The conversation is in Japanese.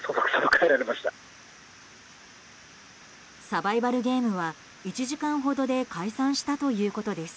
サバイバルゲームは１時間ほどで解散したということです。